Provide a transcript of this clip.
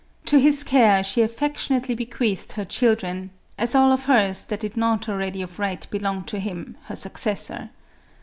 To his care she affectionately bequeathed her children, as all of hers that did not al ready of right belong to him, her successor.